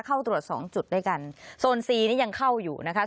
เข้าตรวจสองจุดด้วยกันโซนซีนี่ยังเข้าอยู่นะคะ